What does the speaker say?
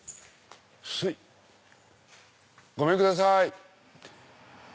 すいごめんください！